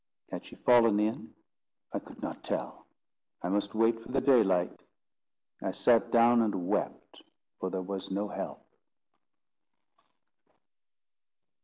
Had she fallen in? I could not tell. I must wait for the daylight. I sat down and wept, for there was no help.